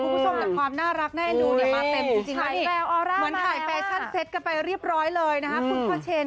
คุณผู้ชมแต่ความน่ารักแน่ทำท่าต้วเต็มจริง